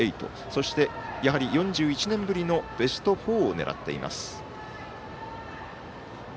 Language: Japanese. そして、４１年ぶりのベスト４を狙っています。